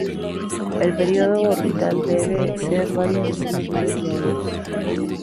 El período orbital debe ser de varias decenas de miles de años.